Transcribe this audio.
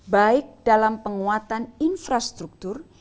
baik dalam penguatan infrastruktur